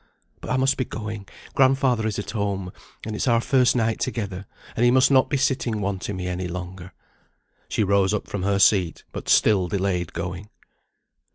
But I must be going, grandfather is at home, and it's our first night together, and he must not be sitting wanting me any longer." She rose up from her seat, but still delayed going.